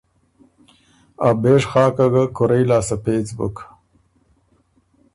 ا بېژ خاکه ګه کُورئ لاسته پېڅ بُک